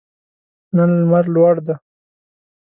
نن لمر لوړ دی